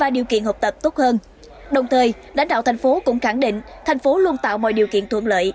đồng thời đánh đạo thành phố cũng khẳng định thành phố luôn tạo mọi điều kiện thuận lợi